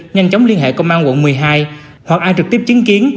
nhanh chóng liên hệ công an quận một mươi hai hoặc an trực tiếp chứng kiến